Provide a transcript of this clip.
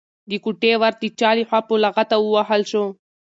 د کوټې ور د چا لخوا په لغته ووهل شو؟